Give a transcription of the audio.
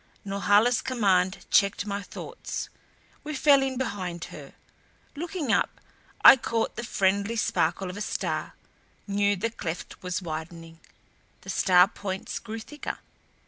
Norhala's command checked my thoughts; we fell in behind her. Looking up I caught the friendly sparkle of a star; knew the cleft was widening. The star points grew thicker.